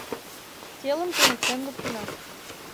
— Телым туныктен луктына.